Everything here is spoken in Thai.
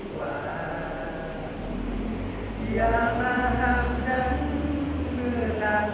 ขอบคุณทุกคนมากครับที่รักโจมตีที่ทุกคนรัก